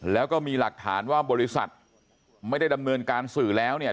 แล้วก็มีหลักฐานว่าบริษัทไม่ได้ดำเนินการสื่อแล้วเนี่ย